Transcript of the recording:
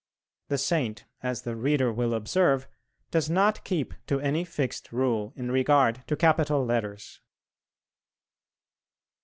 The Saint, as the reader will observe, does not keep to any fixed rule in regard to capital letters.